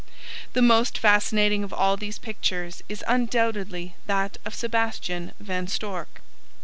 The most fascinating of all these pictures is undoubtedly that of Sebastian Van Storck.